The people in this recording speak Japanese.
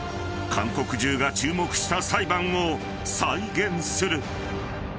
［韓国中が注目した裁判を再現する］